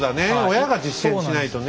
親が実践しないとね。